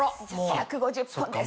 １５０本です。